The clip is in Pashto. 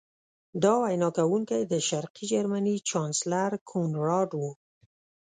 دا وینا کوونکی د شرقي جرمني چانسلر کونراډ و